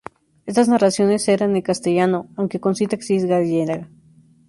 Estas narraciones eran en castellano, aunque con sintaxis gallega.